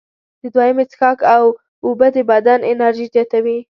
د دویمې څښاک اوبه د بدن انرژي زیاتوي.